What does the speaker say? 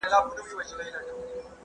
هغه وويل چي درسونه تيارول ضروري دي؟!